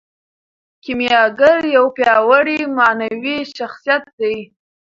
کیمیاګر یو پیاوړی معنوي شخصیت دی.